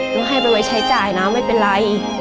ให้ไปไว้ใช้จ่ายนะไม่เป็นไร